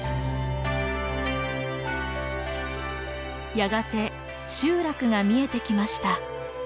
やがて集落が見えてきました。